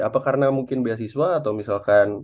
apa karena mungkin beasiswa atau misalkan